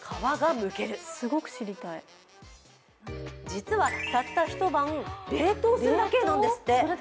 実はたった一晩、冷凍するだけなんですって。